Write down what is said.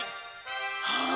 はあ！